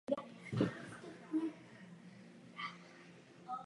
Získal tehdy ocenění od organizace Reportéři bez hranic.